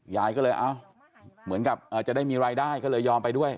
ยายก็เลยเอ้าเหมือนกับจะได้มีรายได้ก็เลยยอมไปด้วย